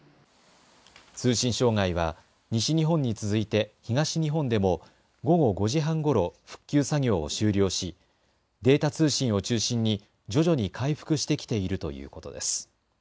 通信障害は西日本に続いて東日本でも午後５時半ごろ復旧作業を終了しデータ通信を中心に徐々に回復してきているということです。